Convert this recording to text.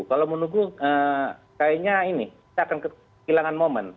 kalau menunggu kayaknya ini kita akan kehilangan momen